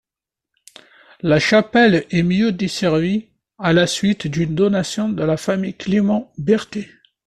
La chapelle est mieux desservie, à la suite d'une donation de la famille Clément-Berthet.